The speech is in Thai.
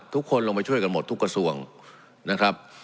ทุกคนลงไปช่วยกันหมดทุกกระทรวงนะครับ